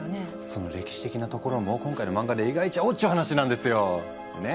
その歴史的なところも今回の漫画で描いちゃおうっちゅう話なんですよ。ね？